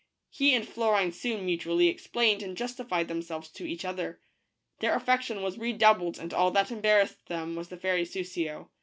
He and Florine soon mutually explained and justified themselves to each other. Their affection was redoubled and all that embarrassed them was the fairy Soussio.